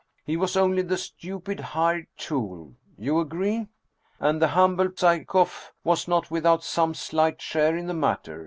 He was only the stupid hired tool. You agree ? And the humble Psyekoff was not with out some slight share in the matter.